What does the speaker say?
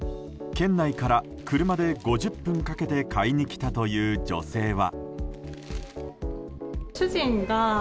県内から車で５０分かけて買いに来たという女性は。